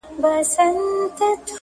پرون یې کلی، نن محراب سبا چنار سوځوي٫